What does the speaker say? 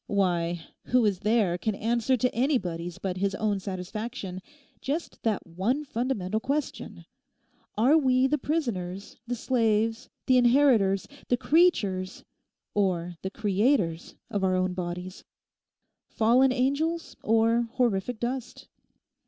Why, who is there can answer to anybody's but his own satisfaction just that one fundamental question—Are we the prisoners, the slaves, the inheritors, the creatures, or the creators of our bodies? Fallen angels or horrific dust?